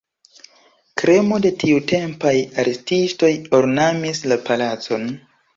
Kremo de tiutempaj artistoj ornamis la palacon.